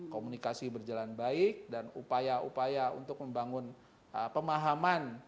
komunikasi berjalan baik dan upaya upaya untuk membangun pemahaman